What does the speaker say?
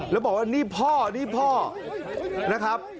แล้วบอกว่านี่พ่อนี่พ่อนะครับ